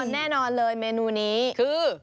แน่นอนเลยเมนูนี้คือ